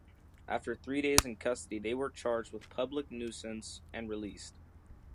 After three days in custody they were charged with public nuisance and released.